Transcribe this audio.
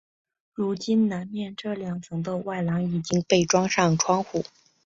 如今南面这两层的外廊已经被装上窗户。